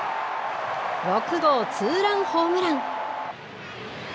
６号ツーランホームラン。